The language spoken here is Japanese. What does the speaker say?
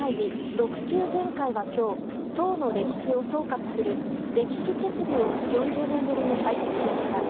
６中全会は今日党の歴史を総括する歴史決議を４０年ぶりに採択しました。